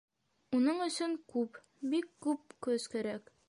Уның өсөн күп, бик күп көс кәрәк.